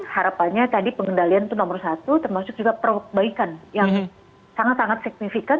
harapannya tadi pengendalian itu nomor satu termasuk juga perbaikan yang sangat sangat signifikan